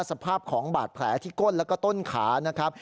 สภาพของบาดแผลที่ก้นแล้วก็ต้นขานะครับ